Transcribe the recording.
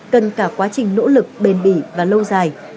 cần cả quá trình nỗ lực bền bỉ và lâu dài